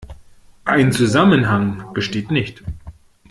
Ein Zusammenhang besteht nicht.